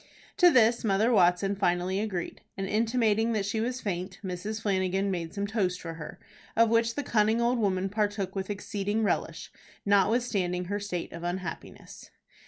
To this Mother Watson finally agreed, and intimating that she was faint, Mrs. Flanagan made some toast for her, of which the cunning old woman partook with exceeding relish, notwithstanding her state of unhappiness.